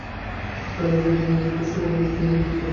বেলা যাইতে না যাইতেই শৈল ব্যস্ত হইয়া উঠিল।